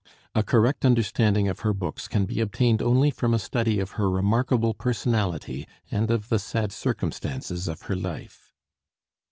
A correct understanding of her books can be obtained only from a study of her remarkable personality and of the sad circumstances of her life.